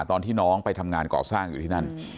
ตอนที่น้องไปทำงานก่อสร้างอยู่ที่นั่น